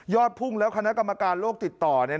พุ่งแล้วคณะกรรมการโลกติดต่อ